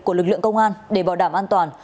của lực lượng công an để bảo đảm an toàn